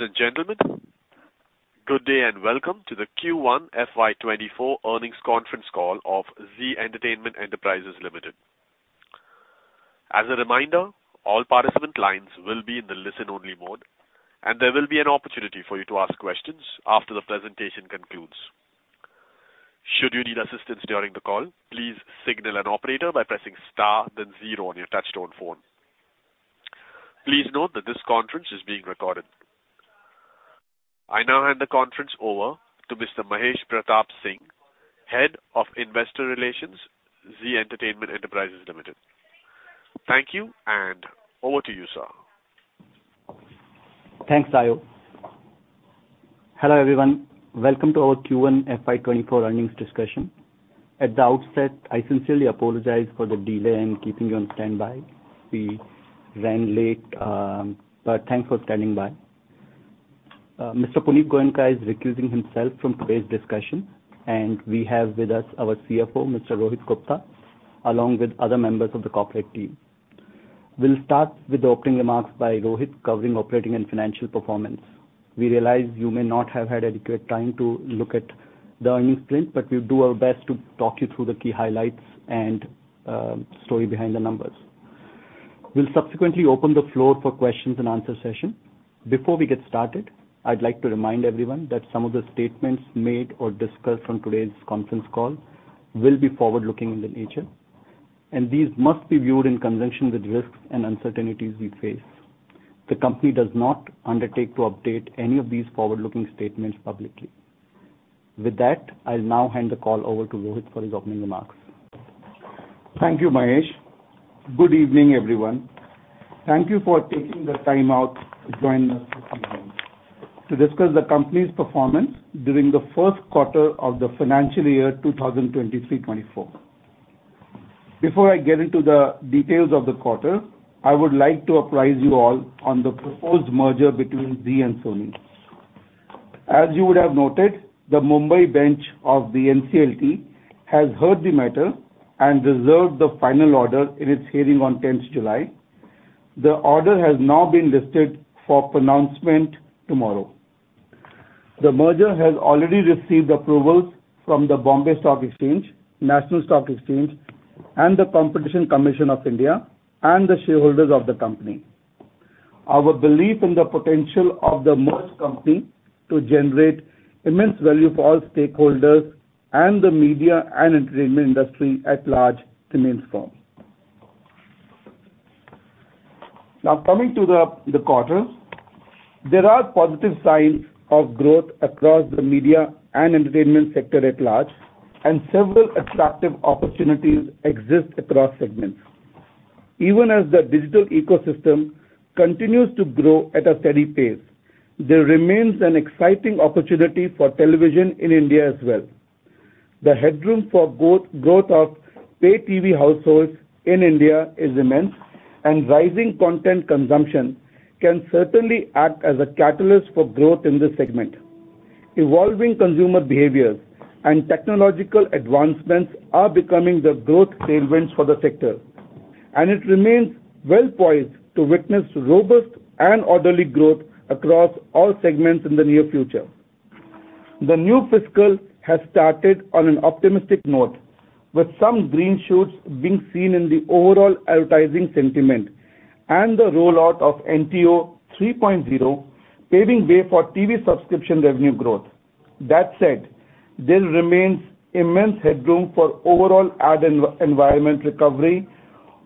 Ladies and gentlemen, good day. Welcome to the Q1 FY24 earnings conference call of Zee Entertainment Enterprises Limited. As a reminder, all participant lines will be in the listen-only mode. There will be an opportunity for you to ask questions after the presentation concludes. Should you need assistance during the call, please signal an operator by pressing star then 0 on your touchtone phone. Please note that this conference is being recorded. I now hand the conference over to Mr. Abhishek Chauhan, Head of Investor Relations, Zee Entertainment Enterprises Limited. Thank you. Over to you, sir. Thanks, Sejal. Hello, everyone. Welcome to our Q1 FY24 earnings discussion. At the outset, I sincerely apologize for the delay in keeping you on standby. We ran late, but thanks for standing by. Mr. Punit Goenka is recusing himself from today's discussion, and we have with us our CFO, Mr. Rohit Gupta, along with other members of the corporate team. We'll start with the opening remarks by Rohit, covering operating and financial performance. We realize you may not have had adequate time to look at the earnings print, but we'll do our best to talk you through the key highlights and story behind the numbers. We'll subsequently open the floor for questions and answer session. Before we get started, I'd like to remind everyone that some of the statements made or discussed on today's conference call will be forward-looking in the nature, and these must be viewed in conjunction with risks and uncertainties we face. The company does not undertake to update any of these forward-looking statements publicly. With that, I'll now hand the call over to Rohit for his opening remarks. Thank you, Mahesh. Good evening, everyone. Thank you for taking the time out to join us this evening to discuss the company's performance during the first quarter of the financial year 2023-2024. Before I get into the details of the quarter, I would like to apprise you all on the proposed merger between Zee and Sony. As you would have noted, the Mumbai bench of the NCLT has heard the matter and reserved the final order in its hearing on 10th July. The order has now been listed for pronouncement tomorrow. The merger has already received approvals from the Bombay Stock Exchange, National Stock Exchange, and the Competition Commission of India, and the shareholders of the company. Our belief in the potential of the merged company to generate immense value for all stakeholders and the media and entertainment industry at large remains strong. Now, coming to the quarter. There are positive signs of growth across the media and entertainment sector at large, and several attractive opportunities exist across segments. Even as the digital ecosystem continues to grow at a steady pace, there remains an exciting opportunity for television in India as well. The headroom for both growth of pay TV households in India is immense, and rising content consumption can certainly act as a catalyst for growth in this segment. Evolving consumer behaviors and technological advancements are becoming the growth tailwinds for the sector, and it remains well-poised to witness robust and orderly growth across all segments in the near future. The new fiscal has started on an optimistic note, with some green shoots being seen in the overall advertising sentiment and the rollout of NTO 3.0, paving way for TV subscription revenue growth. That said, there remains immense headroom for overall ad environment recovery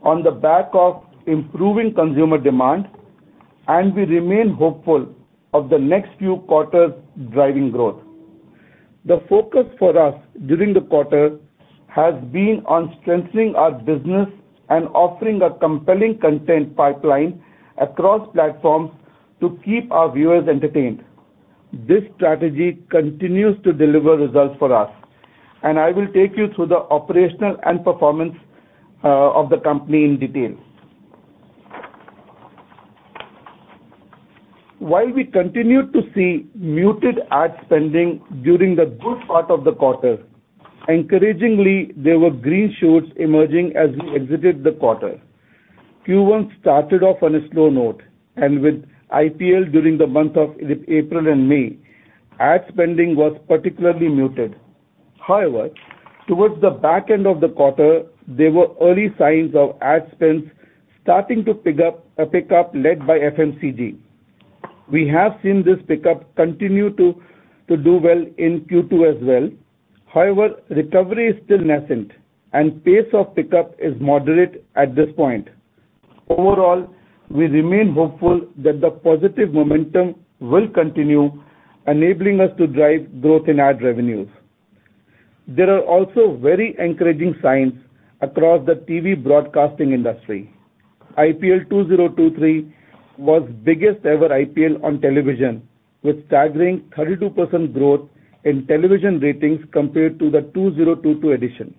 on the back of improving consumer demand. We remain hopeful of the next few quarters driving growth. The focus for us during the quarter has been on strengthening our business and offering a compelling content pipeline across platforms to keep our viewers entertained. This strategy continues to deliver results for us, I will take you through the operational and performance of the company in detail. While we continued to see muted ad spending during the good part of the quarter, encouragingly, there were green shoots emerging as we exited the quarter. Q1 started off on a slow note. With IPL during the month of April and May, ad spending was particularly muted. However, towards the back end of the quarter, there were early signs of ad spends starting to pick up, a pickup led by FMCG. We have seen this pickup continue to do well in Q2 as well. However, recovery is still nascent, and pace of pickup is moderate at this point. Overall, we remain hopeful that the positive momentum will continue, enabling us to drive growth in ad revenues. There are also very encouraging signs across the TV broadcasting industry. IPL 2023 was biggest ever IPL on television, with staggering 32% growth in television ratings compared to the 2022 edition.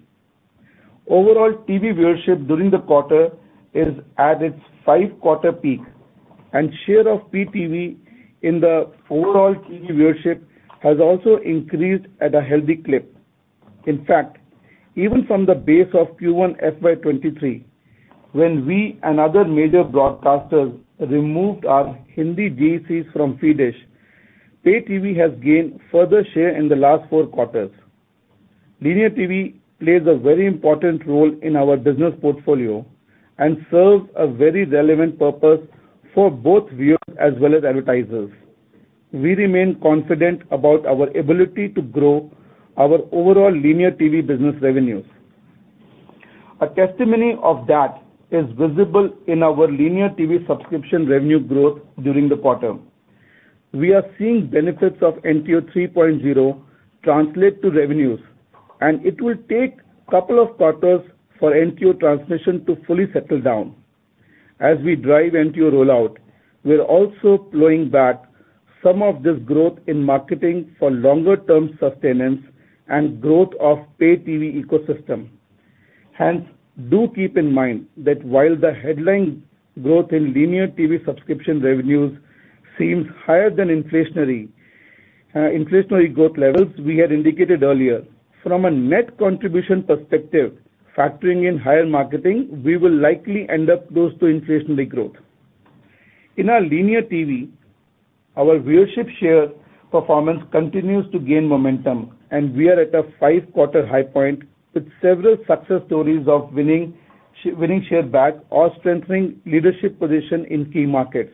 Overall, TV viewership during the quarter is at its 5-quarter peak, and share of PTV in the overall TV viewership has also increased at a healthy clip. In fact, even from the base of Q1 FY 2023, when we and other major broadcasters removed our Hindi GECs from Free Dish, pay TV has gained further share in the last four quarters. Linear TV plays a very important role in our business portfolio and serves a very relevant purpose for both viewers as well as advertisers. We remain confident about our ability to grow our overall linear TV business revenues. A testimony of that is visible in our linear TV subscription revenue growth during the quarter. We are seeing benefits of NTO 3.0 translate to revenues, and it will take a couple of quarters for NTO transmission to fully settle down. As we drive NTO rollout, we are also pulling back some of this growth in marketing for longer term sustenance and growth of pay TV ecosystem. Do keep in mind that while the headline growth in linear TV subscription revenues seems higher than inflationary, inflationary growth levels we had indicated earlier, from a net contribution perspective, factoring in higher marketing, we will likely end up close to inflationary growth. In our linear TV, our viewership share performance continues to gain momentum, and we are at a 5-quarter high point, with several success stories of winning winning share back or strengthening leadership position in key markets.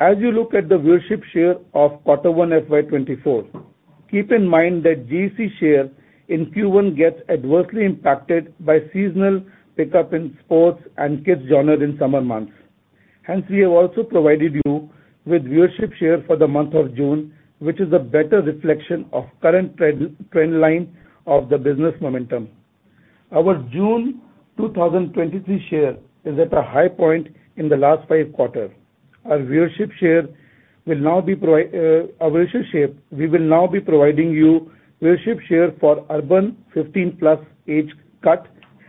As you look at the viewership share of Q1 FY 2024, keep in mind that GEC share in Q1 gets adversely impacted by seasonal pickup in sports and kids genre in summer months. We have also provided you with viewership share for the month of June, which is a better reflection of current trend line of the business momentum. Our June 2023 share is at a high point in the last five quarter. Our viewership share will now be providing you viewership share for urban 15-plus age cut,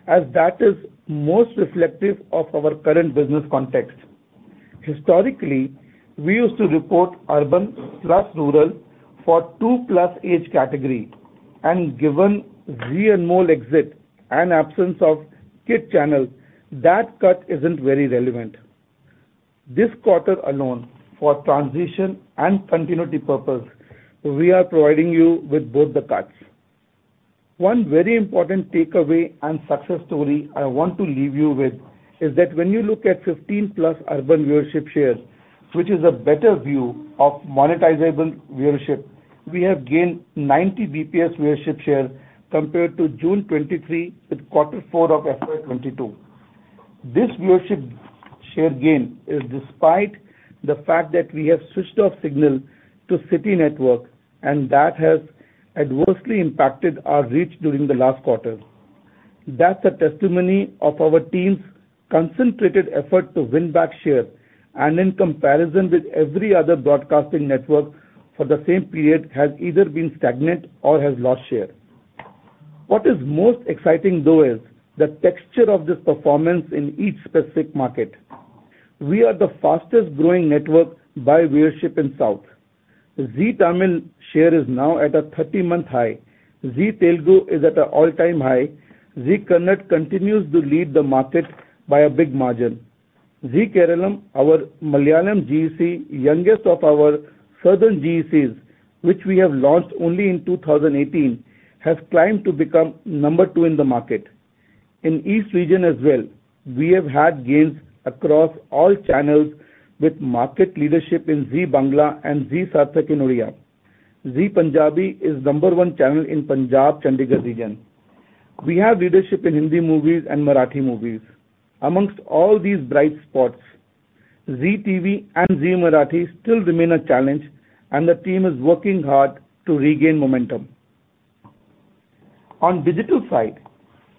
as that is most reflective of our current business context. Historically, we used to report urban plus rural for 2-plus age category, and given Zee Anmol exit and absence of kid channel, that cut isn't very relevant. This quarter alone, for transition and continuity purpose, we are providing you with both the cuts. One very important takeaway and success story I want to leave you with is that when you look at 15-plus urban viewership shares, which is a better view of monetizable viewership, we have gained 90 BPS viewership share compared to June 23 with quarter four of FY 22. This viewership share gain is despite the fact that we have switched off signal to Siti Network, That has adversely impacted our reach during the last quarter. That's a testimony of our team's concentrated effort to win back share. In comparison with every other broadcasting network for the same period, has either been stagnant or has lost share. What is most exciting, though, is the texture of this performance in each specific market. We are the fastest growing network by viewership in South. Zee Tamil share is now at a 30-month high. Zee Telugu is at an all-time high. Zee Kannada continues to lead the market by a big margin. Zee Keralam, our Malayalam GEC, youngest of our southern GECs, which we have launched only in 2018, has climbed to become number two in the market. In East region as well, we have had gains across all channels, with market leadership in Zee Bangla and Zee Sarthak in Odia. Zee Punjabi is number 1 channel in Punjab, Chandigarh region. We have leadership in Hindi movies and Marathi movies. Amongst all these bright spots, Zee TV and Zee Marathi still remain a challenge, and the team is working hard to regain momentum. On digital side,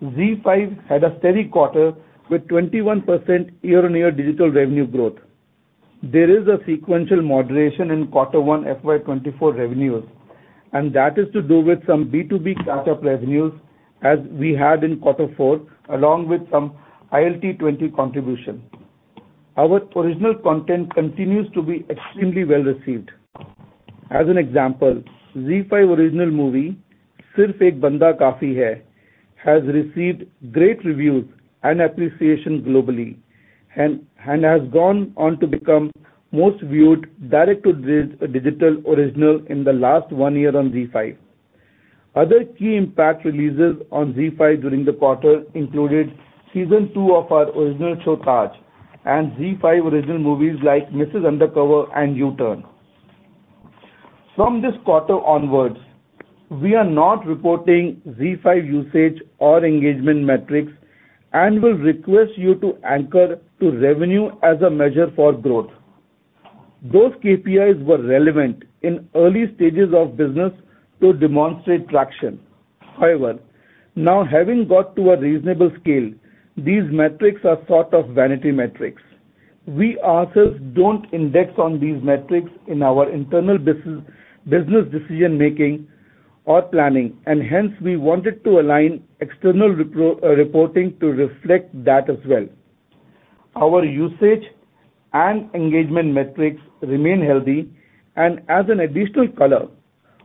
ZEE5 had a steady quarter with 21% year-on-year digital revenue growth. There is a sequential moderation in Q1 FY2024 revenues, and that is to do with some B2B catch-up revenues, as we had in Q4, along with some ILT20 contribution. Our original content continues to be extremely well received. As an example, ZEE5 original movie, Sirf Ek Bandaa Kaafi Hai, has received great reviews and appreciation globally and has gone on to become most viewed direct-to-digital original in the last one year on ZEE5. Other key impact releases on ZEE5 during the quarter included season two of our original show, Taj, and ZEE5 original movies like Mrs. Undercover and U-Turn. From this quarter onwards, we are not reporting ZEE5 usage or engagement metrics and will request you to anchor to revenue as a measure for growth. Those KPIs were relevant in early stages of business to demonstrate traction. However, now having got to a reasonable scale, these metrics are sort of vanity metrics. We ourselves don't index on these metrics in our internal business decision-making or planning, and hence we wanted to align external repro... reporting to reflect that as well. Our usage and engagement metrics remain healthy. As an additional color,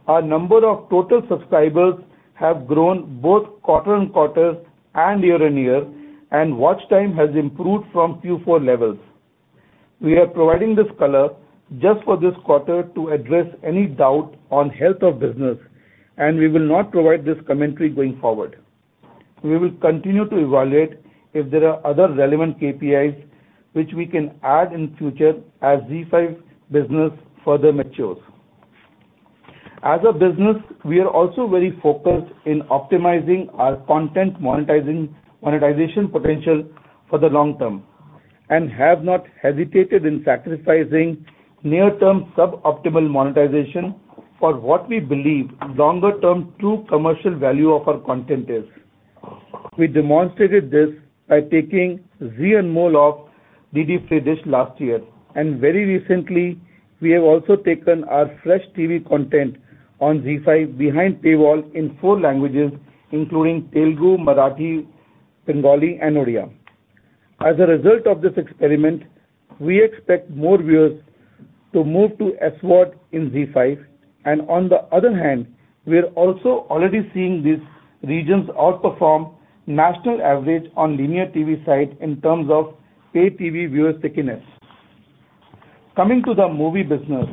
our number of total subscribers have grown both quarter-on-quarter and year-on-year, and watch time has improved from Q4 levels. We are providing this color just for this quarter to address any doubt on health of business, and we will not provide this commentary going forward. We will continue to evaluate if there are other relevant KPIs which we can add in future as ZEE5 business further matures. As a business, we are also very focused in optimizing our content monetization potential for the long term, and have not hesitated in sacrificing near-term suboptimal monetization for what we believe longer-term true commercial value of our content is. We demonstrated this by taking Zee Anmol off DD Free Dish last year. Very recently, we have also taken our fresh TV content on ZEE5 behind paywall in 4 languages, including Telugu, Marathi, Bengali and Odia. As a result of this experiment, we expect more viewers to move to SVOD in ZEE5. On the other hand, we are also already seeing these regions outperform national average on linear TV side in terms of APV viewer stickiness. Coming to the movie business,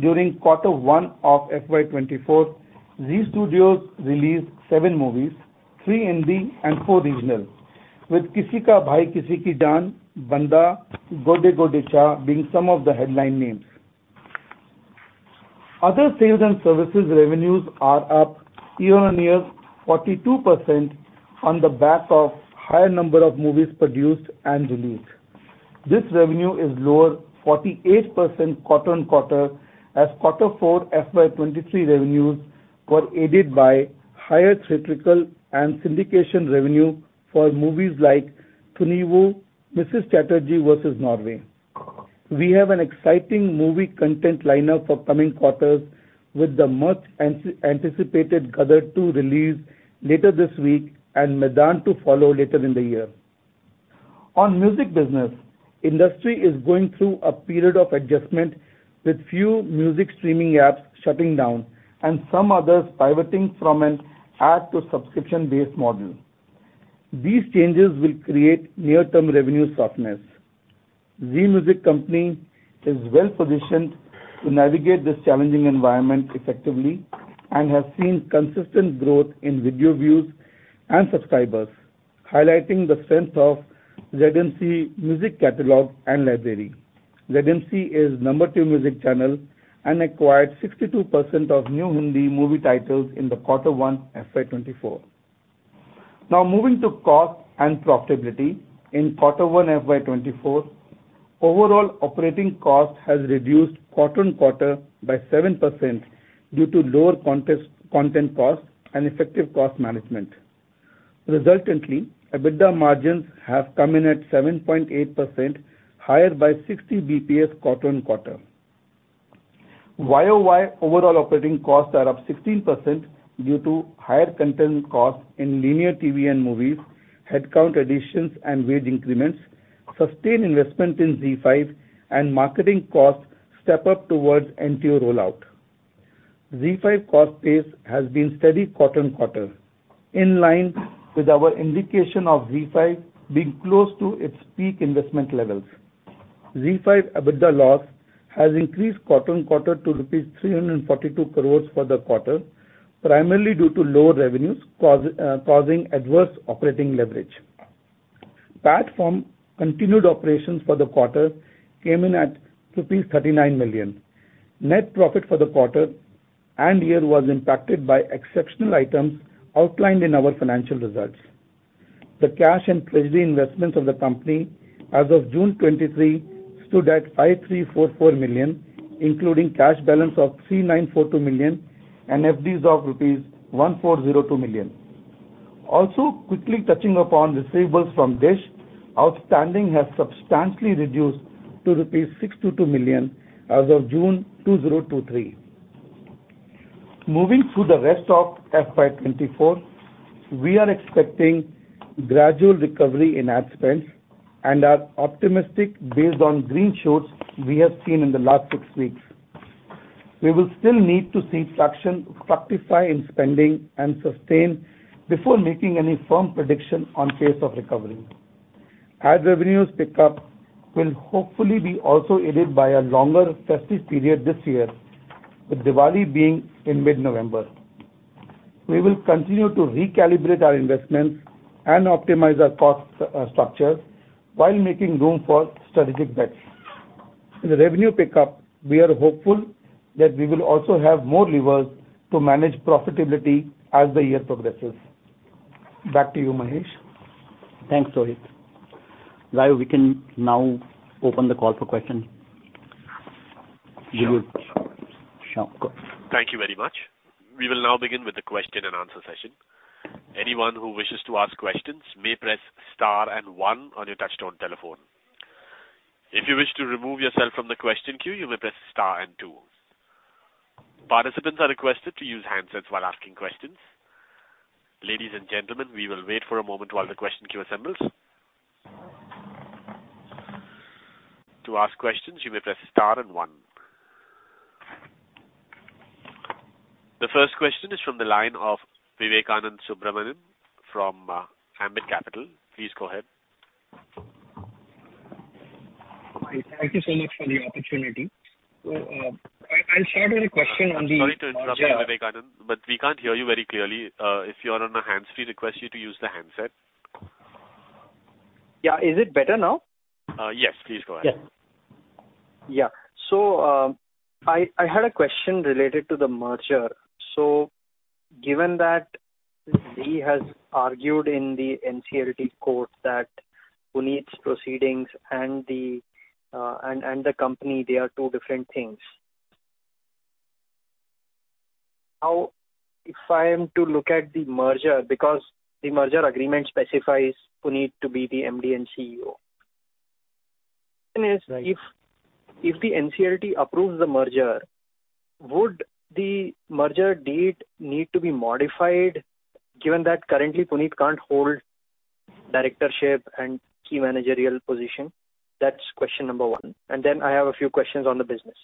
during Q1 of FY 2024, Zee Studios released 7 movies, 3 Hindi and 4 regional, with Kisi Ka Bhai Kisi Ki Jaan, Banda, Godday Godday Chaa being some of the headline names. Other sales and services revenues are up year-over-year 42% on the back of higher number of movies produced and released. This revenue is lower 48% quarter-on-quarter, as quarter four FY 2023 revenues were aided by higher theatrical and syndication revenue for movies like Thunivu, Mrs. Chatterjee vs. Norway. We have an exciting movie content lineup for coming quarters, with the much anticipated Gadar 2 release later this week and Maidaan to follow later in the year. On music business, industry is going through a period of adjustment, with few music streaming apps shutting down and some others pivoting from an ad to subscription-based model. These changes will create near-term revenue softness. Zee Music Company is well positioned to navigate this challenging environment effectively, and has seen consistent growth in video views and subscribers, highlighting the strength of ZMC music catalog and library. ZMC is number two music channel and acquired 62% of new Hindi movie titles in the quarter one, FY 2024. Now moving to cost and profitability. In quarter one, FY24, overall operating cost has reduced quarter-on-quarter by 7% due to lower content costs and effective cost management. Resultantly, EBITDA margins have come in at 7.8%, higher by 60 BPS quarter-on-quarter. Y-o-Y overall operating costs are up 16% due to higher content costs in linear TV and movies, headcount additions and wage increments, sustained investment in ZEE5, and marketing costs step up towards NTO rollout. ZEE5 cost base has been steady quarter-on-quarter, in line with our indication of ZEE5 being close to its peak investment levels. ZEE5 EBITDA loss has increased quarter-on-quarter to rupees 342 crore for the quarter, primarily due to lower revenues, causing adverse operating leverage. PAT from continued operations for the quarter came in at rupees 39 million. Net profit for the quarter and year was impacted by exceptional items outlined in our financial results. The cash and treasury investments of the company as of June 2023, stood at 5,344 million, including cash balance of 3,942 million and FDs of rupees 1,402 million. Also, quickly touching upon receivables from Dish, outstanding has substantially reduced to 622 million rupees as of June 2023. Moving through the rest of FY 2024, we are expecting gradual recovery in ad spends and are optimistic based on green shoots we have seen in the last 6 weeks. We will still need to see rectify in spending and sustain before making any firm prediction on pace of recovery. As revenues pick up, we'll hopefully be also aided by a longer festive period this year, with Diwali being in mid-November. We will continue to recalibrate our investments and optimize our cost structure, while making room for strategic bets. In the revenue pickup, we are hopeful that we will also have more levers to manage profitability as the year progresses. Back to you, Mahesh. Thanks, Rohit. Now we can open the call for questions. Sure. Sure, go. Thank you very much. We will now begin with the question-and-answer session. Anyone who wishes to ask questions may press star and one on your touchtone telephone. If you wish to remove yourself from the question queue, you may press star and two. Participants are requested to use handsets while asking questions. Ladies and gentlemen, we will wait for a moment while the question queue assembles. To ask questions, you may press star and one. The first question is from the line of Vivekanand Subbaraman from Ambit Capital. Please go ahead. Thank you so much for the opportunity. I, I'll start with a question on the- Sorry to interrupt you, Vivekananda, but we can't hear you very clearly. If you are on a hands-free, we request you to use the handset. Yeah. Is it better now? Yes, please go ahead. Yes. Yeah. I, I had a question related to the merger. Given that Zee has argued in the NCLT court that Punit's proceedings and the company, they are two different things. If I am to look at the merger, because the merger agreement specifies Punit to be the MD & CEO. If the NCLT approves the merger, would the merger date need to be modified, given that currently Punit can't hold directorship and key managerial position? That's question number one. Then I have a few questions on the business.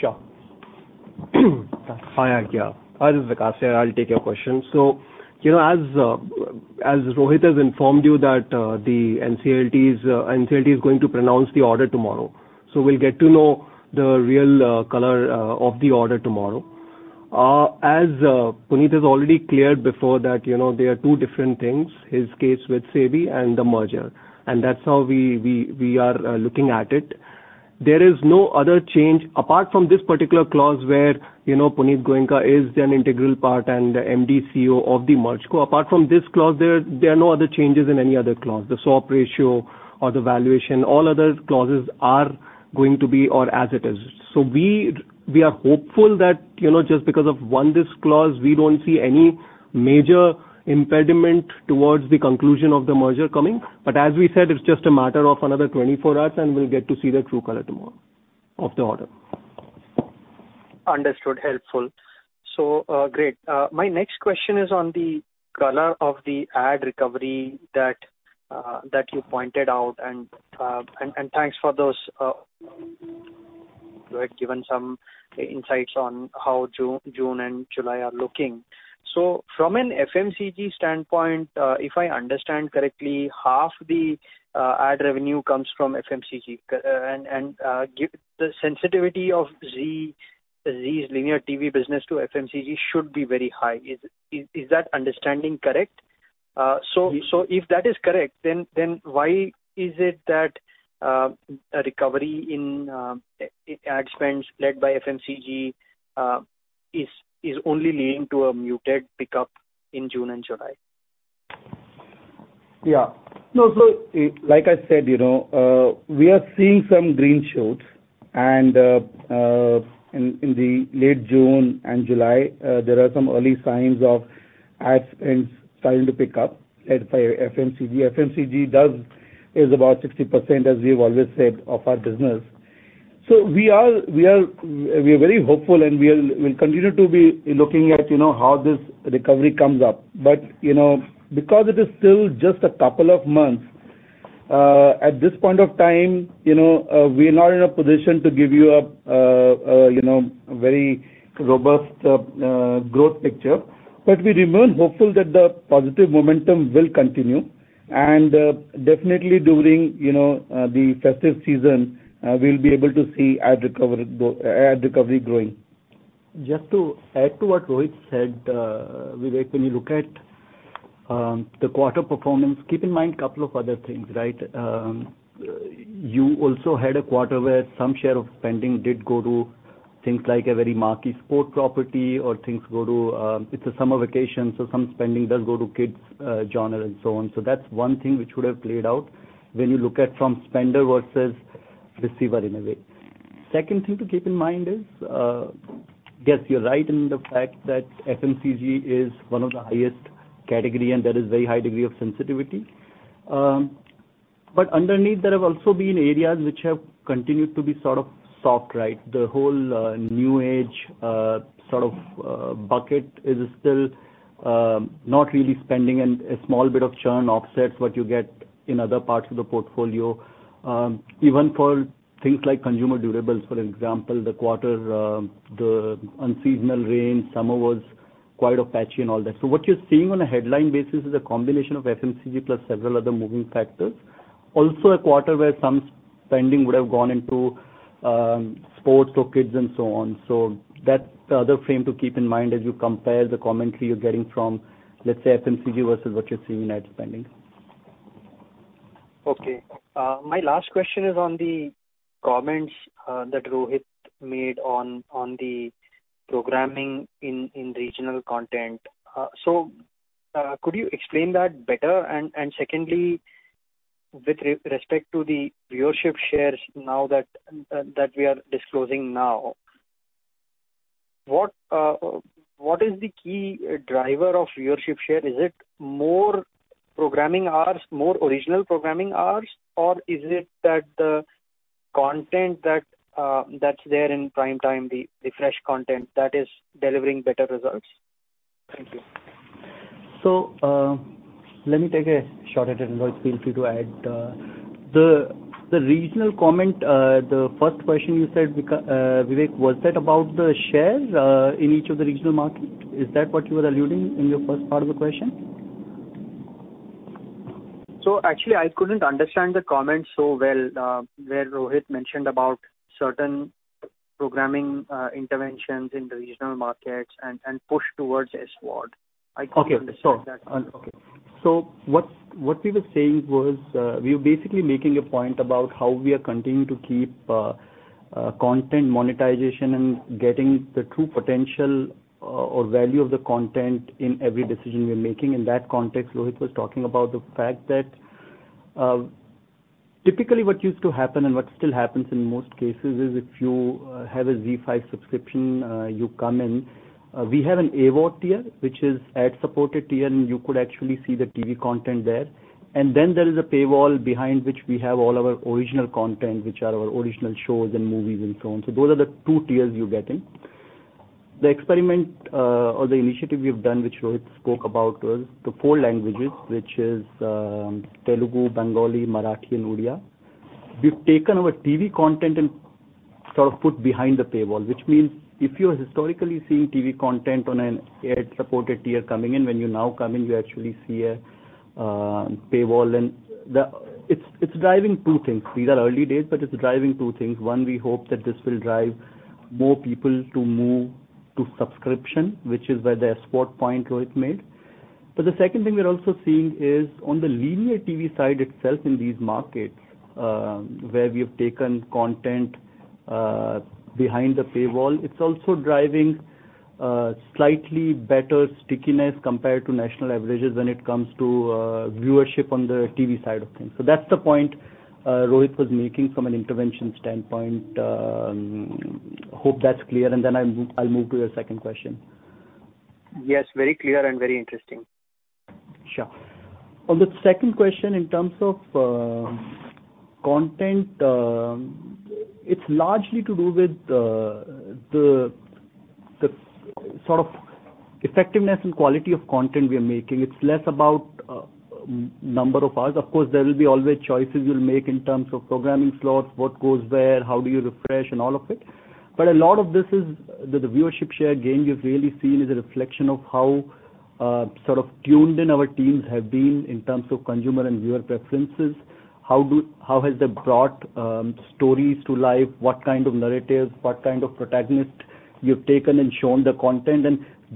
Sure. Hi. Hi, this is Vikas here. I'll take your question. You know, as Rohit has informed you that the NCLT's NCLT is going to pronounce the order tomorrow. We'll get to know the real color of the order tomorrow. As Punit has already cleared before that, you know, they are two different things, his case with SEBI and the merger, and that's how we are looking at it. There is no other change apart from this particular clause where, you know, Punit Goenka is an integral part and the MDCEO of the merged co. Apart from this clause, there are no other changes in any other clause. The swap ratio or the valuation, all other clauses are going to be or as it is. We, we are hopeful that, you know, just because of 1, this clause, we don't see any major impediment towards the conclusion of the merger coming. As we said, it's just a matter of another 24 hours, and we'll get to see the true color tomorrow of the order. Understood. Helpful. Great. My next question is on the color of the ad recovery that you pointed out, and thanks for those, you had given some insights on how June and July are looking. From an FMCG standpoint, if I understand correctly, half the ad revenue comes from FMCG. And give the sensitivity of Zee's linear TV business to FMCG should be very high. Is that understanding correct? If that is correct, why is it that a recovery in ad spends led by FMCG is only leading to a muted pickup in June and July? Yeah. No, like I said, you know, we are seeing some green shoots, and in the late June and July, there are some early signs of ad spends starting to pick up, led by FMCG. FMCG is about 60%, as we've always said, of our business. We are, we are, we are very hopeful, and we'll continue to be looking at, you know, how this recovery comes up. You know, because it is still just a couple of months, at this point of time, you know, we are not in a position to give you a, you know, very robust, growth picture. We remain hopeful that the positive momentum will continue. Definitely during, you know, the festive season, we'll be able to see ad recovery growing. Just to add to what Rohit said, Vivek, when you look at, the quarter performance, keep in mind a couple of other things, right? You also had a quarter where some share of spending did go to things like a very marquee sport property or things go to, it's a summer vacation, so some spending does go to kids, genre and so on. That's one thing which would have played out when you look at from spender versus receiver in a way. Second thing to keep in mind is, yes, you're right in the fact that FMCG is one of the highest category, and there is very high degree of sensitivity. Underneath, there have also been areas which have continued to be sort of soft, right? The whole new age sort of bucket is still not really spending, and a small bit of churn offsets what you get in other parts of the portfolio. Even for things like consumer durables, for example, the quarter, the unseasonal rain, summer was quite a patchy and all that. What you're seeing on a headline basis is a combination of FMCG plus several other moving factors. A quarter where some spending would have gone into sports or kids and so on. That's the other frame to keep in mind as you compare the commentary you're getting from, let's say, FMCG versus what you're seeing in ad spending. Okay. My last question is on the comments that Rohit made on, on the programming in, in regional content. Could you explain that better? Secondly, with respect to the viewership shares now that that we are disclosing now. What, what is the key driver of viewership share? Is it more programming hours, more original programming hours, or is it that the content that that's there in prime time, the the fresh content, that is delivering better results? Thank you. Let me take a shot at it, and Rohit feel free to add. The regional comment, the first question you said, Vivek, was that about the shares, in each of the regional markets? Is that what you were alluding in your first part of the question? Actually, I couldn't understand the comment so well, where Rohit mentioned about certain programming interventions in the regional markets and, and push towards SVOD. I couldn't understand that. Okay. What we were saying was, we were basically making a point about how we are continuing to keep content monetization and getting the true potential or value of the content in every decision we're making. In that context, Rohit was talking about the fact that, typically, what used to happen and what still happens in most cases is, if you have a ZEE5 subscription, you come in. We have an AVOD tier, which is ad-supported tier, and you could actually see the TV content there. Then there is a paywall behind which we have all our original content, which are our original shows and movies and so on. Those are the two tiers you get in. The experiment, or the initiative we have done, which Rohit spoke about, was the four languages, which is Telugu, Bengali, Marathi and Odia. We've taken our TV content and sort of put behind the paywall, which means if you have historically seen TV content on an ad-supported tier coming in, when you now come in, you actually see a paywall. It's driving two things. These are early days, but it's driving two things. One, we hope that this will drive more people to move to subscription, which is where the sport point Rohit made. The second thing we're also seeing is on the linear TV side itself in these markets, where we have taken content behind the paywall, it's also driving slightly better stickiness compared to national averages when it comes to viewership on the TV side of things. That's the point Rohit was making from an intervention standpoint. Hope that's clear, and then I'll move, I'll move to your second question. Yes, very clear and very interesting. Sure. On the second question, in terms of content, it's largely to do with the, the sort of effectiveness and quality of content we are making. It's less about number of hours. Of course, there will be always choices you'll make in terms of programming slots, what goes where, how do you refresh, and all of it. But a lot of this is, that the viewership share gain we've really seen is a reflection of how sort of tuned in our teams have been in terms of consumer and viewer preferences. How has that brought stories to life? What kind of narratives, what kind of protagonists you've taken and shown the content,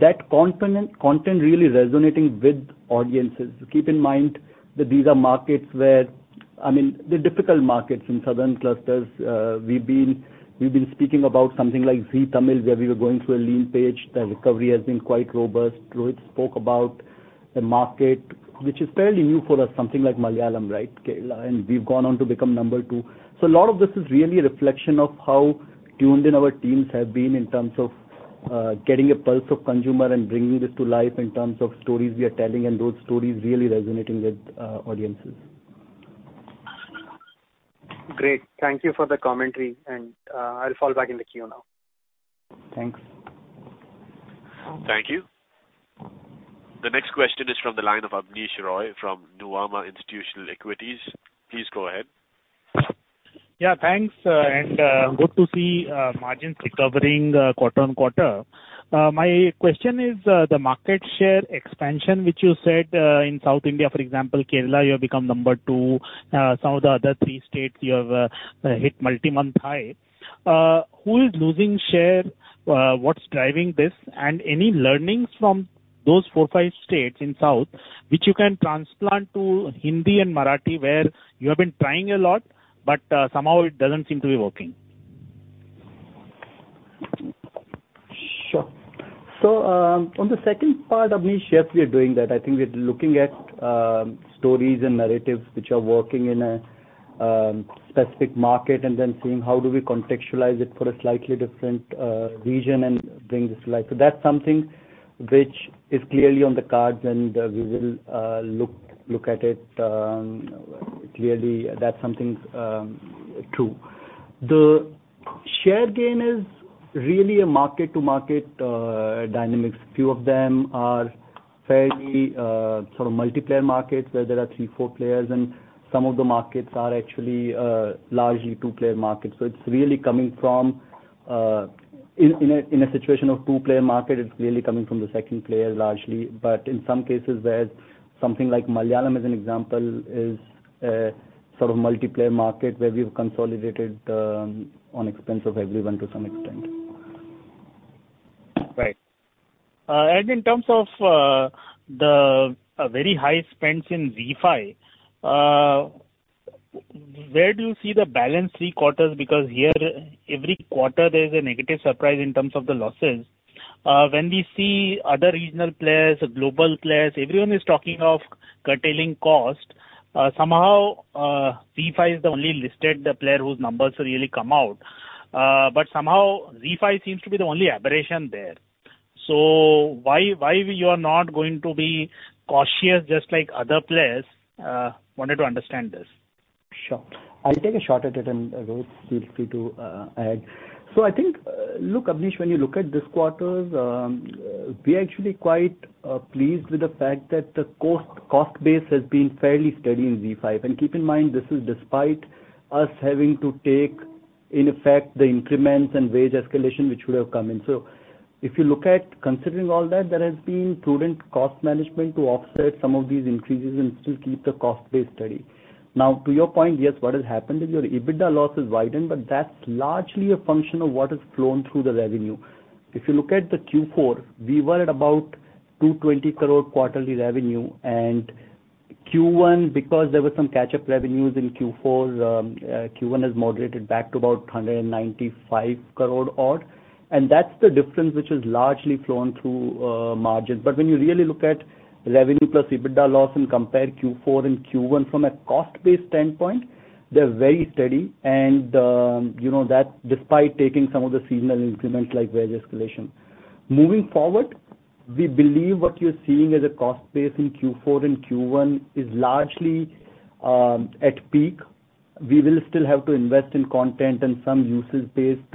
and that content, content really resonating with audiences. So keep in mind that these are markets where, I mean, they're difficult markets in southern clusters. We've been speaking about something like Zee Tamil, where we were going through a lean page. The recovery has been quite robust. Rohit spoke about a market which is fairly new for us, something like Malayalam, right? Kerala. We've gone on to become number two. A lot of this is really a reflection of how tuned in our teams have been in terms of getting a pulse of consumer and bringing this to life in terms of stories we are telling, and those stories really resonating with audiences. Great. Thank you for the commentary, and, I'll fall back in the queue now. Thanks. Thank you. The next question is from the line of Abneesh Roy from Nuvama Institutional Equities. Please go ahead. Yeah, thanks. Uh, and, uh, good to see, uh, margins recovering, uh, quarter on quarter. Uh, my question is, uh, the market share expansion, which you said, uh, in South India, for example, Kerala, you have become number two. Uh, some of the other three states, you have, uh, hit multi-month high. Uh, who is losing share? Uh, what's driving this? And any learnings from those four, five states in South, which you can transplant to Hindi and Marathi, where you have been trying a lot, but, uh, somehow it doesn't seem to be working. Sure. On the second part, Abneesh, yes, we are doing that. I think we're looking at stories and narratives which are working in a specific market, and then seeing how do we contextualize it for a slightly different region and bring this to life. That's something which is clearly on the cards, and we will look, look at it. Clearly, that's something true. The share gain is really a market-to-market dynamics. Few of them are fairly sort of multiplayer markets, where there are three, four players, and some of the markets are actually largely two-player markets. It's really coming from in a in a situation of two-player market, it's really coming from the second player, largely. In some cases where something like Malayalam as an example, is a sort of multiplayer market where we've consolidated on expense of everyone to some extent. Right. In terms of the very high spends in ZEE5, where do you see the balance three quarters? Because here, every quarter, there's a negative surprise in terms of the losses. When we see other regional players, global players, everyone is talking of curtailing cost. Somehow, ZEE5 is the only listed player whose numbers really come out. Somehow, ZEE5 seems to be the only aberration there. Why, why you are not going to be cautious just like other players? Wanted to understand this. Sure. I'll take a shot at it, and Rohit, feel free to add. I think, look, Abneesh, when you look at this quarter's, we're actually quite pleased with the fact that the cost, cost base has been fairly steady in ZEE5. Keep in mind, this is despite us having to take, in effect, the increments and wage escalation which would have come in. If you look at considering all that, there has been prudent cost management to offset some of these increases and still keep the cost base steady. Now, to your point, yes, what has happened is your EBITDA loss has widened, but that's largely a function of what has flown through the revenue. If you look at the Q4, we were at about 220 crore quarterly revenue, and Q1, because there were some catch-up revenues in Q4, Q1 has moderated back to about 195 crore odd, and that's the difference which has largely flown through margin. When you really look at revenue plus EBITDA loss and compare Q4 and Q1 from a cost base standpoint, they're very steady, and, you know that despite taking some of the seasonal increments like wage escalation. Moving forward, we believe what you're seeing as a cost base in Q4 and Q1 is largely at peak. We will still have to invest in content and some usage-based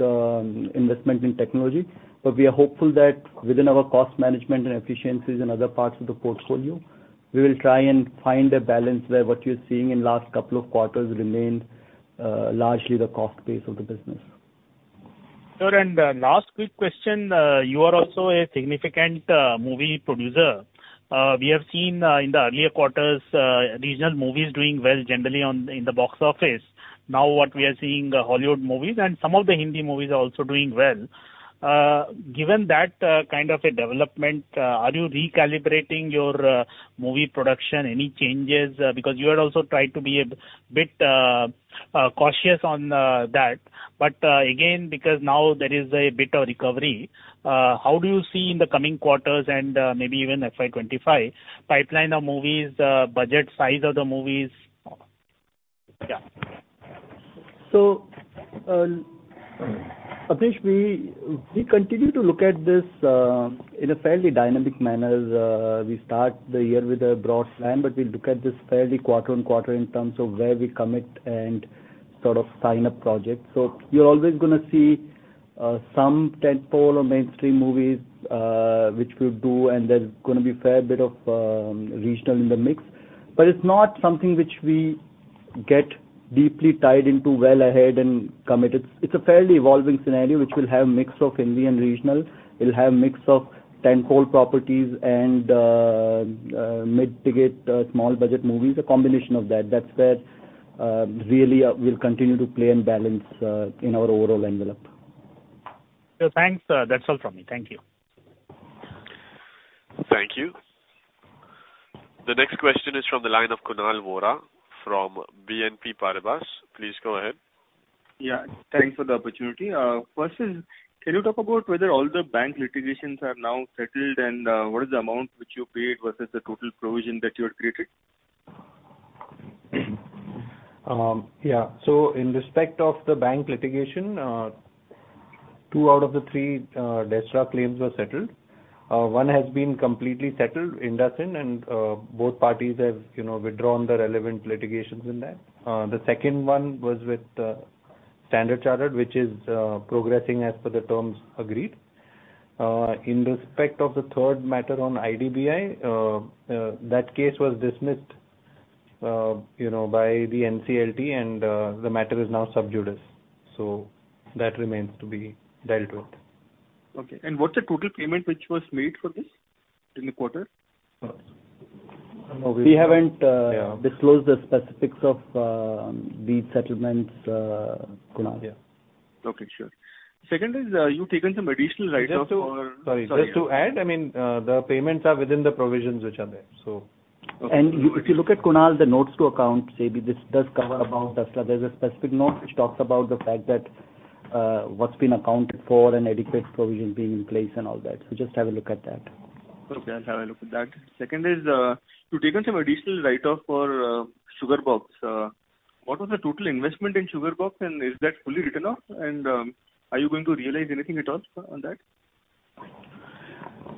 investments in technology, but we are hopeful that within our cost management and efficiencies in other parts of the portfolio, we will try and find a balance where what you're seeing in last 2 quarters remain largely the cost base of the business. Sure, last quick question, you are also a significant movie producer. We have seen in the earlier quarters, regional movies doing well generally in the box office. Now, what we are seeing, Hollywood movies and some of the Hindi movies are also doing well. Given that kind of a development, are you recalibrating your movie production? Any changes? Because you are also trying to be a bit cautious on that. Again, because now there is a bit of recovery, how do you see in the coming quarters and maybe even FY 25, pipeline of movies, budget, size of the movies? Yeah. Abish, we, we continue to look at this in a fairly dynamic manner. We start the year with a broad plan, but we look at this fairly quarter on quarter in terms of where we commit and sort of sign up projects. You're always gonna see some tentpole or mainstream movies which we'll do, and there's gonna be a fair bit of regional in the mix. It's not something which we get deeply tied into well ahead and committed. It's a fairly evolving scenario, which will have a mix of Hindi and regional. It'll have a mix of tentpole properties and mid-ticket, small budget movies, a combination of that. That's where really we'll continue to play and balance in our overall envelope. Thanks. That's all from me. Thank you. Thank you. The next question is from the line of Kunal Vora from BNP Paribas. Please go ahead. Yeah, thanks for the opportunity. first is, can you talk about whether all the bank litigations are now settled, and, what is the amount which you paid versus the total provision that you had created? Yeah. In respect of the bank litigation, two out of the three DSRA claims were settled. One has been completely settled, IndusInd Bank, both parties have, you know, withdrawn the relevant litigations in that. The second one was with Standard Chartered, which is progressing as per the terms agreed. In respect of the third matter on IDBI, that case was dismissed, you know, by the NCLT, the matter is now sub judice, that remains to be dealt with. Okay. What's the total payment which was made for this in the quarter? We haven't. Yeah. disclosed the specifics of these settlements, Kunal. Yeah. Okay, sure. Second is, you've taken some additional write-off for- Sorry, just to add, I mean, the payments are within the provisions which are there, so. Okay. If you look at, Kunal, the notes to account, say, this does cover about. There's a specific note which talks about the fact that what's been accounted for and adequate provision being in place and all that. Just have a look at that. Okay, I'll have a look at that. Second is, you've taken some additional write-off for SugarBox. What was the total investment in SugarBox, and is that fully written off? Are you going to realize anything at all on that?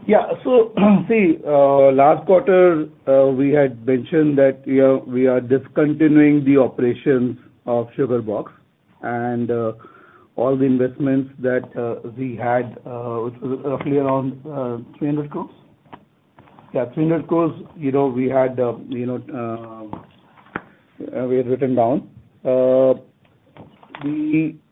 See, last quarter, we had mentioned that, you know, we are discontinuing the operations of SugarBox and all the investments that we had, which was roughly around 300 crore. Yeah, 300 crore, you know, we had, you know, we had written down.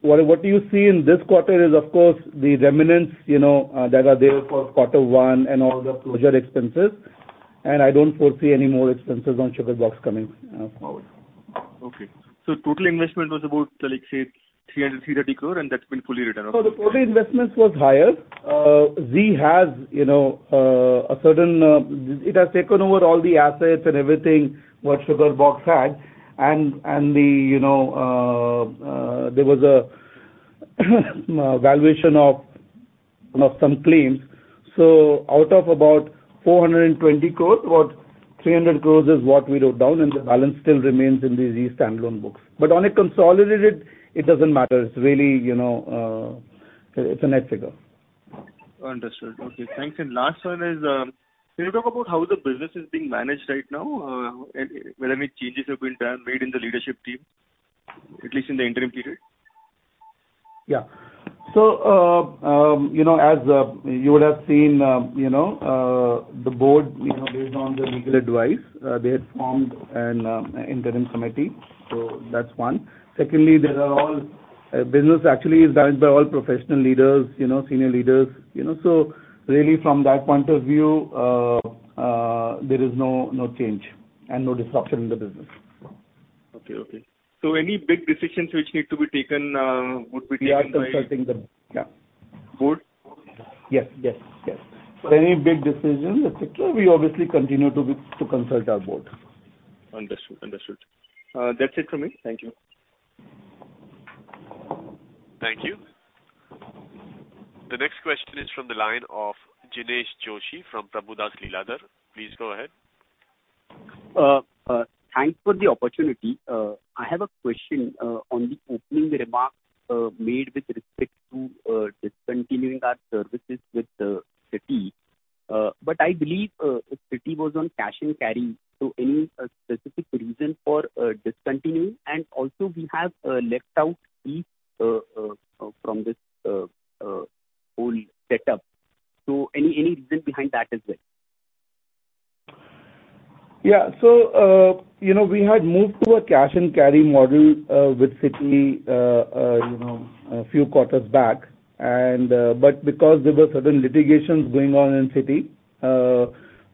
What you see in this quarter is, of course, the remnants, you know, that are there for quarter one and all the closure expenses. I don't foresee any more expenses on SugarBox coming forward. Okay. total investment was about 330 crore, and that's been fully written off? The total investments was higher. Zee has a certain. It has taken over all the assets and everything what SugarBox had, and there was a valuation of some claims. Out of about 420 crore, about 300 crore is what we wrote down, and the balance still remains in these standalone books. On a consolidated, it doesn't matter. It's really, it's a net figure. Understood. Okay, thanks. Last one is, can you talk about how the business is being managed right now, and whether any changes have been done, made in the leadership team, at least in the interim period? Yeah. You know, as you would have seen, you know, the board, you know, based on the legal advice, they had formed an interim committee. That's one. Secondly, there are all, business actually is done by all professional leaders, you know, senior leaders. You know, really, from that point of view, there is no, no change and no disruption in the business. Okay. Okay. Any big decisions which need to be taken, would be taken by- We are consulting them, yeah. Board? Yes, yes, yes. For any big decisions, et cetera, we obviously continue to consult our board. Understood. Understood. That's it from me. Thank you. Thank you. The next question is from the line of Jinesh Joshi from Prabhudas Lilladher. Please go ahead. Thanks for the opportunity. I have a question on the opening remarks made with respect to discontinuing our services with Siti. I believe Siti was on cash and carry, so any specific reason for discontinuing? Also, we have left out East from this whole setup. Any, any reason behind that as well? Yeah. You know, we had moved to a cash and carry model with Siti, you know, a few quarters back, and... Because there were certain litigations going on in Siti,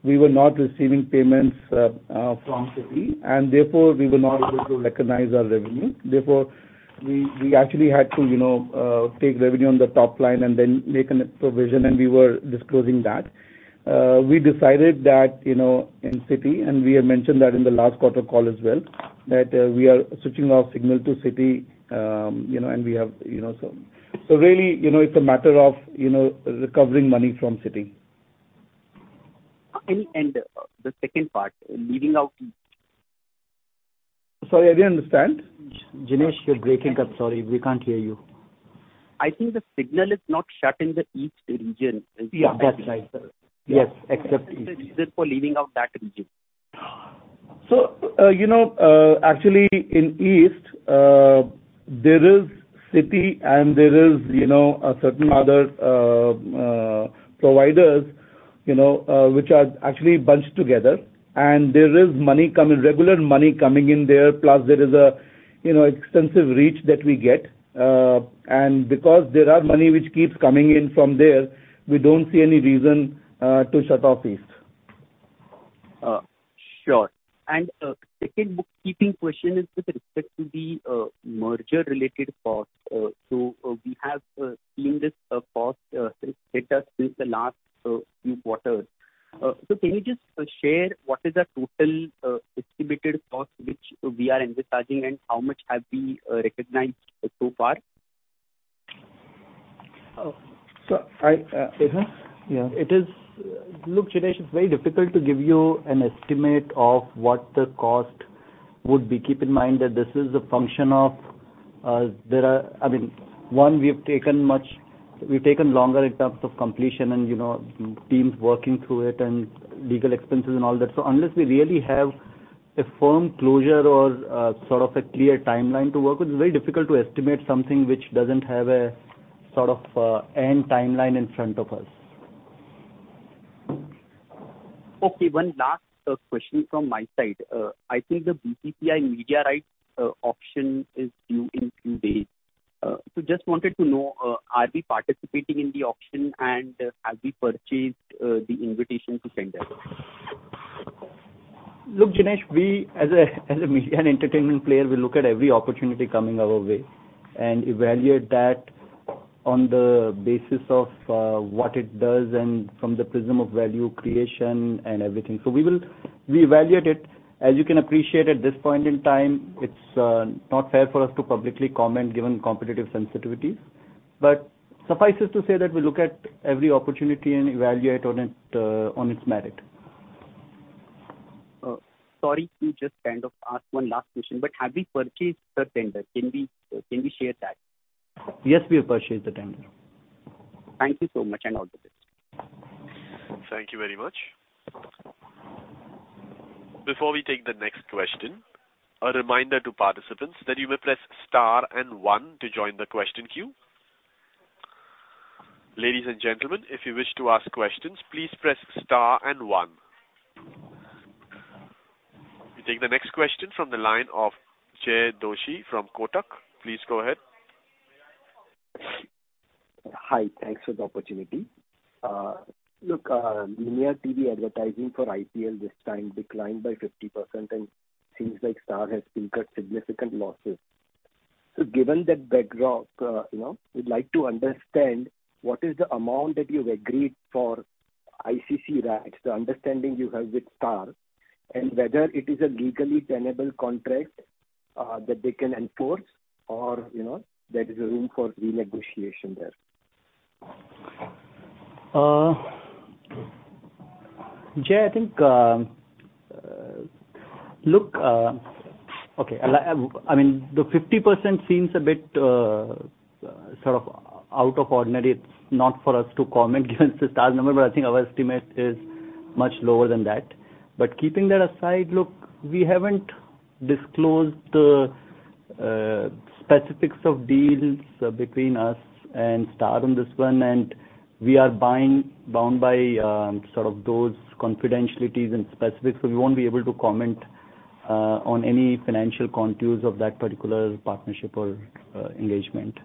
we were not receiving payments from Siti, and therefore, we were not able to recognize our revenue. Therefore, we, we actually had to, you know, take revenue on the top line and then make an provision, and we were disclosing that. We decided that, you know, in Siti, and we had mentioned that in the last quarter call as well, that we are switching our signal to Siti, you know, and we have, you know, so really, you know, it's a matter of, you know, recovering money from Siti. The second part, leaving out East. Sorry, I didn't understand. Jinesh, you're breaking up. Sorry, we can't hear you. I think the signal is not shut in the East region. Yeah, that's right, sir. Yes, except East. Is there for leaving out that region? You know, actually, in East, there is Siti, and there is, you know, certain other providers, you know, which are actually bunched together, and there is money coming, regular money coming in there, plus there is a, you know, extensive reach that we get. Because there are money which keeps coming in from there, we don't see any reason to shut off East. Sure. Second bookkeeping question is with respect to the merger-related cost. We have seen this cost since data, since the last few quarters. Can you just share what is the total estimated cost which we are envisaging and how much have we recognized so far? Oh, so I, Madhu? Yeah. It is... Look, Jinesh, it's very difficult to give you an estimate of what the cost would be. Keep in mind that this is a function of, I mean, one, we have taken much, we've taken longer in terms of completion and, you know, teams working through it and legal expenses and all that. Unless we really have a firm closure or, sort of a clear timeline to work with, it's very difficult to estimate something which doesn't have a sort of, end timeline in front of us. Okay, one last question from my side. I think the BCCI Media Rights auction is due in two days. Just wanted to know, are we participating in the auction and have we purchased the invitation to tender? Look, Jinesh, we as a, as a media and entertainment player, we look at every opportunity coming our way and evaluate that on the basis of what it does and from the prism of value creation and everything. We evaluate it. As you can appreciate at this point in time, it's not fair for us to publicly comment, given competitive sensitivities. Suffice it to say that we look at every opportunity and evaluate on it, on its merit. Sorry to just kind of ask one last question, but have we purchased the tender? Can we, can we share that? Yes, we have purchased the tender. Thank you so much, and all the best. Thank you very much. Before we take the next question, a reminder to participants that you may press Star and One to join the question queue. Ladies and gentlemen, if you wish to ask questions, please press Star and One. We take the next question from the line of Jay Doshi from Kotak. Please go ahead. Hi, thanks for the opportunity. Look, linear TV advertising for IPL this time declined by 50%, and seems like Star has incurred significant losses. Given that backdrop, you know, we'd like to understand what is the amount that you've agreed for ICC rights, the understanding you have with Star, and whether it is a legally tenable contract?... that they can enforce or, you know, there is a room for renegotiation there? Jay, I think, look, okay, like, I mean, the 50% seems a bit, sort of out of ordinary. It's not for us to comment given the Star number, but I think our estimate is much lower than that. Keeping that aside, look, we haven't disclosed specifics of deals between us and Star on this one, and we are bound by sort of those confidentialities and specifics. We won't be able to comment on any financial contours of that particular partnership or engagement.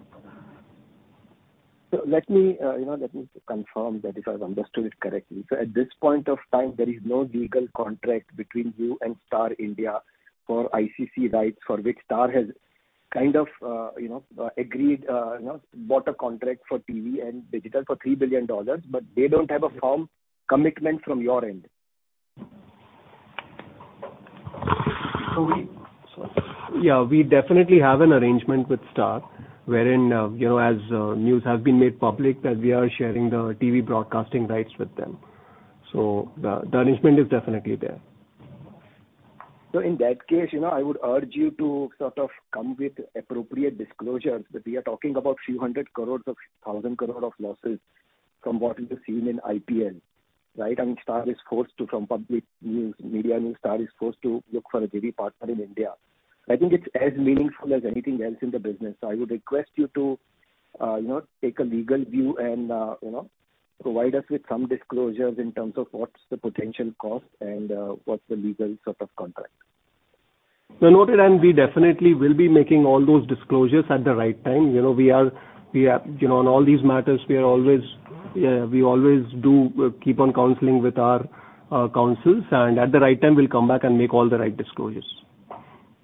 Let me, you know, let me confirm that if I've understood it correctly. At this point of time, there is no legal contract between you and Star India for ICC rights, for which Star has kind of, you know, agreed, you know, bought a contract for TV and digital for $3 billion, but they don't have a firm commitment from your end? Sorry. Yeah, we definitely have an arrangement with Star, wherein, you know, as news has been made public, that we are sharing the TV broadcasting rights with them. The, the arrangement is definitely there. In that case, you know, I would urge you to sort of come with appropriate disclosures, that we are talking about a few hundred crores of 1,000 crore of losses from what we have seen in IPL, right? Star is forced to from public news, media news, Star is forced to look for a TV partner in India. I think it's as meaningful as anything else in the business. I would request you to, you know, take a legal view and, you know, provide us with some disclosures in terms of what's the potential cost and what's the legal sort of contract. Noted, and we definitely will be making all those disclosures at the right time. You know, we are... You know, on all these matters, we are always, we always do, keep on counseling with our counsels, and at the right time, we'll come back and make all the right disclosures.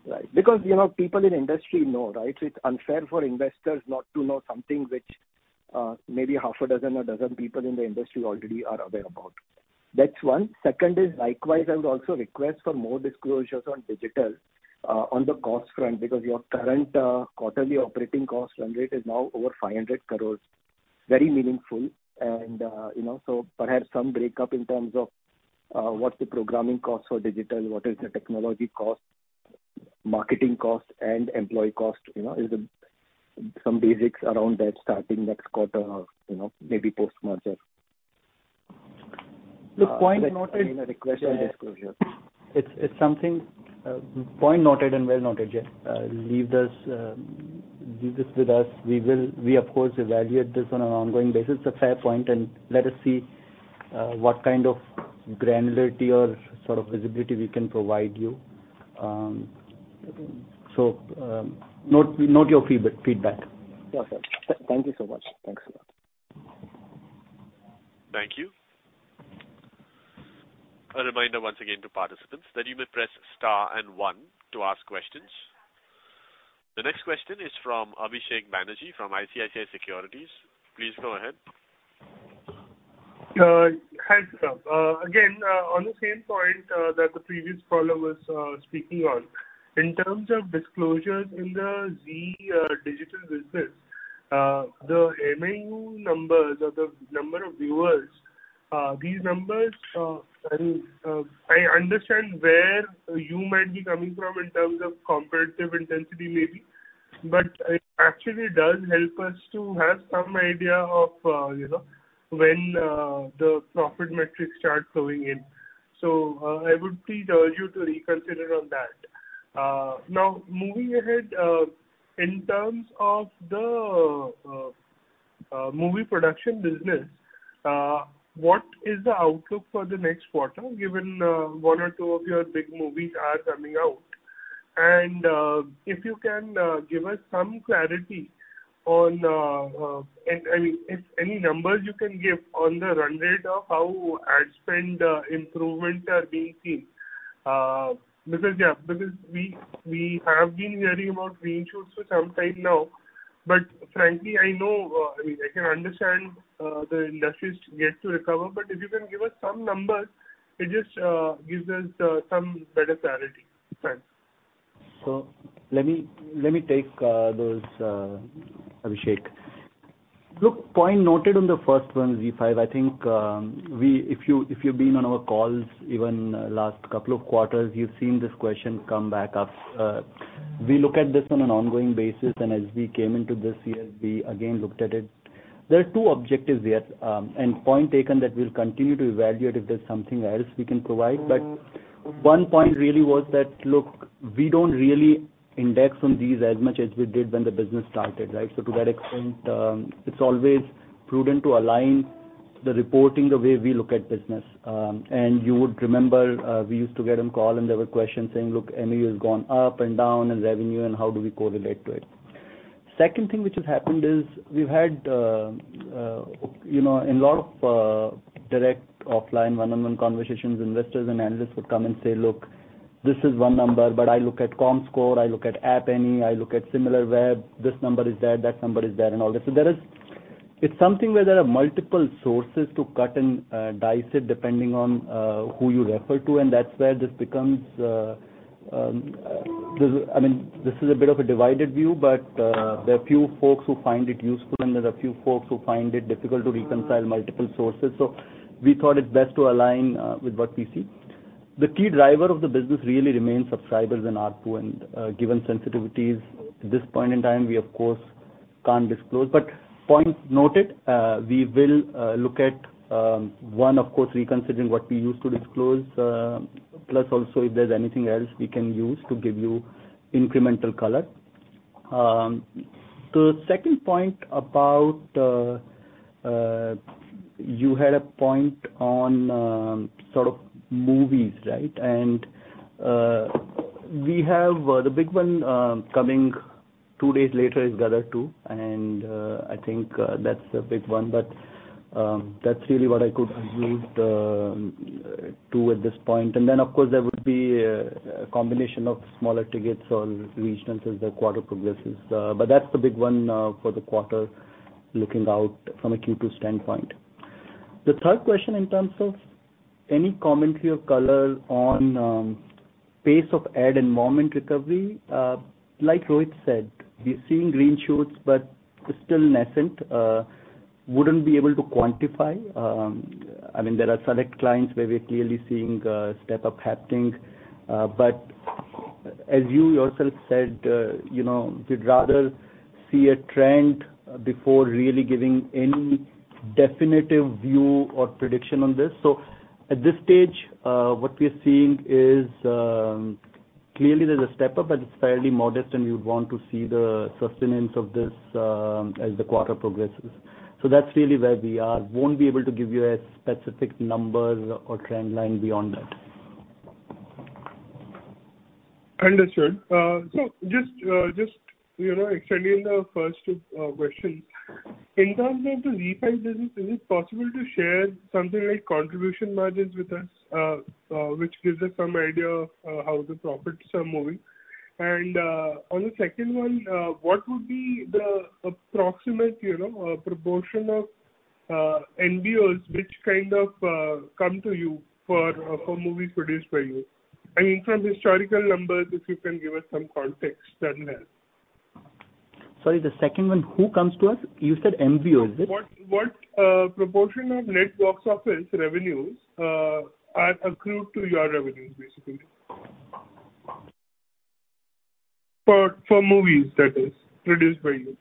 Right. Because, you know, people in industry know, right? It's unfair for investors not to know something which maybe half a dozen or a dozen people in the industry already are aware about. That's one. Second is, likewise, I would also request for more disclosures on digital on the cost front, because your current quarterly operating cost run rate is now over 500 crore, very meaningful. You know, perhaps some breakup in terms of what's the programming cost for digital, what is the technology cost, marketing cost, and employee cost, you know, is the some basics around that starting next quarter or, you know, maybe post March there. Look, point noted. I mean, a request for disclosure. It's, it's something, point noted and well noted, yeah. Leave this, leave this with us. We, of course, evaluate this on an ongoing basis. It's a fair point, and let us see what kind of granularity or sort of visibility we can provide you. Note, note your feedback. Yeah, sir. Thank you so much. Thanks a lot. Thank you. A reminder once again to participants, that you may press star and 1 to ask questions. The next question is from Abhisek Banerjee, from ICICI Securities. Please go ahead. Hi, sir. Again, on the same point that the previous caller was speaking on. In terms of disclosures in the Zee digital business, the MAU numbers or the number of viewers, these numbers, and, I understand where you might be coming from in terms of competitive intensity, maybe. It actually does help us to have some idea of, you know, when the profit metrics start flowing in. I would please urge you to reconsider on that. Moving ahead, in terms of the movie production business, what is the outlook for the next quarter, given one or two of your big movies are coming out? If you can give us some clarity on, and, and if any numbers you can give on the run rate of how ad spend improvement are being seen. Because, yeah, because we, we have been hearing about green shoots for some time now, but frankly, I know, I mean, I can understand, the industries yet to recover, but if you can give us some numbers, it just gives us some better clarity. Thanks. Let me, let me take those Abhishek. Look, point noted on the first one, ZEE5. I think, if you, if you've been on our calls, even, last couple of quarters, you've seen this question come back up. We look at this on an ongoing basis, and as we came into this year, we again looked at it. There are 2 objectives here, and point taken that we'll continue to evaluate if there's something else we can provide. One point really was that, look, we don't really index on these as much as we did when the business started, right? To that extent, it's always prudent to align the reporting the way we look at business. You would remember, we used to get on call and there were questions saying: Look, MAU has gone up and down, and revenue, and how do we correlate to it? Second thing which has happened is, we've had, you know, a lot of direct offline one-on-one conversations. Investors and analysts would come and say, "Look, this is one number, but I look at Comscore, I look at App Annie, I look at Similarweb. This number is there, that number is there, and all this." So there is... It's something where there are multiple sources to cut and dice it, depending on who you refer to, and that's where this becomes, I mean, this is a bit of a divided view, but there are a few folks who find it useful, and there's a few folks who find it difficult to reconcile multiple sources. We thought it best to align with what we see. The key driver of the business really remains subscribers and ARPU, and given sensitivities at this point in time, we of course, can't disclose. Point noted, we will look at one, of course, reconsidering what we used to disclose, plus also if there's anything else we can use to give you incremental color. To the second point about, you had a point on sort of movies, right? We have the big one coming two days later is Gadar 2, and I think that's a big one. That's really what I could allude to at this point. Then, of course, there would be a combination of smaller tickets or instances as the quarter progresses. That's the big one for the quarter, looking out from a Q2 standpoint. The third question, in terms of any commentary or color on pace of ad and moment recovery, like Rohit said, we're seeing green shoots, but it's still nascent. Wouldn't be able to quantify. I mean, there are select clients where we're clearly seeing a step-up happening. As you yourself said, you know, we'd rather see a trend before really giving any definitive view or prediction on this. At this stage, what we are seeing is, clearly there's a step up, but it's fairly modest, and we'd want to see the sustenance of this, as the quarter progresses. That's really where we are. Won't be able to give you a specific number or trend line beyond that. Understood. So just, you know, extending the 1st question. In terms of the VOD business, is it possible to share something like contribution margins with us, which gives us some idea of how the profits are moving? On the 2nd one, what would be the approximate, you know, proportion of MSOs which kind of come to you for for movies produced by you? I mean, from historical numbers, if you can give us some context then and there. Sorry, the second one, who comes to us? You said MSOs, is it? What, what, proportion of net box office revenues, are accrued to your revenues, basically? For, for movies, that is, produced by you.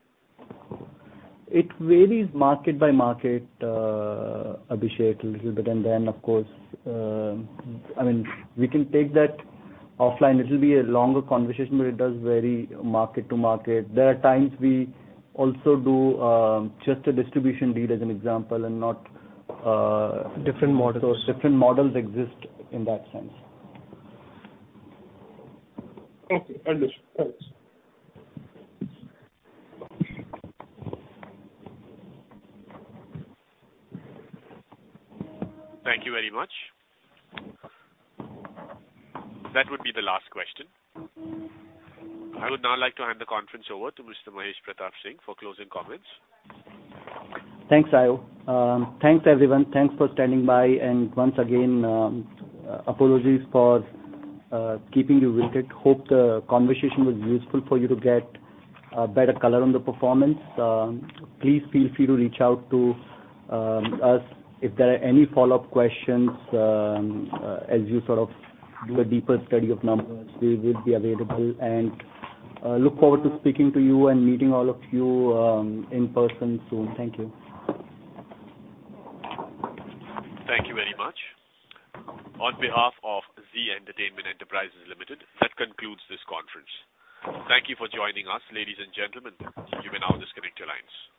It varies market by market, Abhishek, a little bit. I mean, we can take that offline. It will be a longer conversation. It does vary market to market. There are times we also do just a distribution deal, as an example. Different models. Different models exist in that sense. Okay, understood. Thanks. Thank you very much. That would be the last question. I would now like to hand the conference over to Mr. Mahesh Pratap Singh for closing comments. Thanks, Ayo. Thanks, everyone. Thanks for standing by. Once again, apologies for keeping you waited. Hope the conversation was useful for you to get a better color on the performance. Please feel free to reach out to us if there are any follow-up questions as you sort of do a deeper study of numbers. We will be available, and look forward to speaking to you and meeting all of you in person soon. Thank you. Thank you very much. On behalf of Zee Entertainment Enterprises Limited, that concludes this conference. Thank you for joining us, ladies and gentlemen. You may now disconnect your lines.